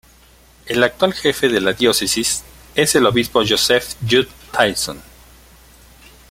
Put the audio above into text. El actual jefe de la Diócesis es el Obispo Joseph Jude Tyson.